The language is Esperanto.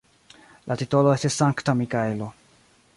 La titolo estis Sankta Mikaelo.